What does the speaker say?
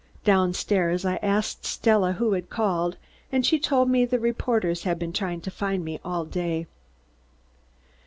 Down stairs, I asked Stella who had called, and she told me the reporters had been trying to find me all day.